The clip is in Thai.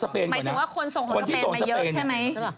หมายถึงว่าคนส่งของสเปนมาเยอะใช่ไหม